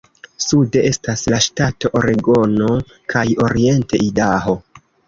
Sude estas la ŝtato Oregono kaj oriente Idaho.